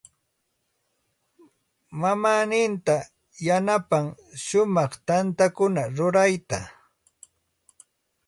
Mamaaninta yanapan shumaq tantakuna rurayta.